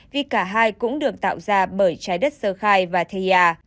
vì cả hai cũng được tạo ra bởi trái đất sơ khai và theria